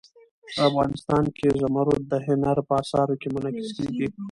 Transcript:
افغانستان کې زمرد د هنر په اثار کې منعکس کېږي.